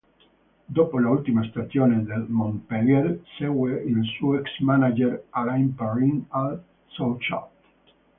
Dopo l'ultima stagione nel Montpellier segue il suo ex manager Alain Perrin al Sochaux.